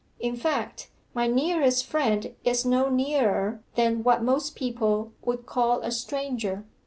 In fact, my nearest friend is no nearer than what most people would call a stranger.